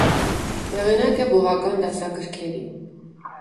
Հեղինակ է բուհական դասագրքերի։